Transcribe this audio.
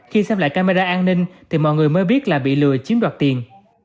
khi xem lại camera an ninh thì mọi người mới biết là bị lừa chiếm đoạt tiền